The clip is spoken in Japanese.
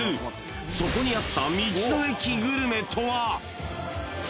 ［そこにあった道の駅グルメとは？］